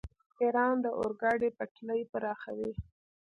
ایران د اورګاډي پټلۍ پراخوي.